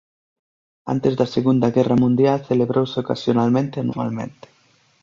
Antes da Segunda Guerra Mundial celebrouse ocasionalmente anualmente.